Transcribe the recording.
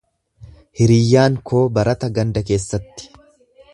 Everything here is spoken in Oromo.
Hiriyyaan koo barata ganda keessatti.